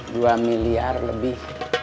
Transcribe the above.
dua miliar lebih